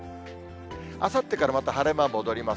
あさってからまた晴れ間戻ります。